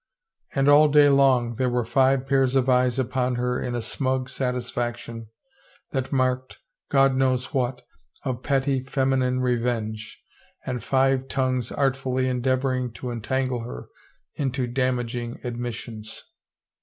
And all day long there were five pairs of eyes upon her in a smug satis faction that marked, God knows what, of petty feminine revenge, and five tongues artfully endeavoring to en tangle her into damaging admissions.